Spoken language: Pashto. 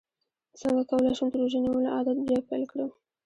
څنګه کولی شم د روژې نیولو عادت بیا پیل کړم